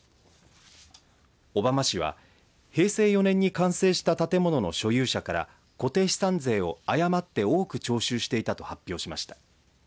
小浜市は平成４年に完成した建物の所有者から固定資産税を誤って多く徴収していたと発表しました。